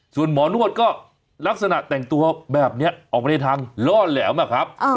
ส่วนหมอนวดก็ลักษณะแต่งตัวแบบนี้ออกมาในทางล่อแหลมอะครับ